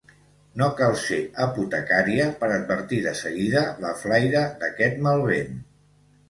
No cal ser apotecària per advertir de seguida la flaire d'aquest mal vent.